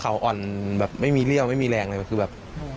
เขาอ่อนแบบไม่มีเลี่ยวไม่มีแรงเลยคือแบบ